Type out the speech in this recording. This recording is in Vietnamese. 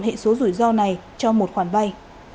hệ số rủi ro này cho một khoản vay